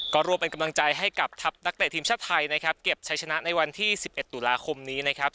ก็รวมเป็นกำลังใจให้กับทัพนักเตะทีมชาติไทยนะครับเก็บใช้ชนะในวันที่๑๑ตุลาคมนี้นะครับ